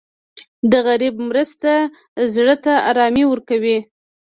د غریب مرسته زړه ته ارامي ورکوي.